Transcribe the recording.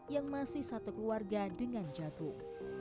yang masih satu keluarga dengan jagung